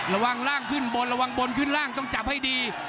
ร่างล่างขึ้นบนระวังบนขึ้นล่างต้องจับให้ดี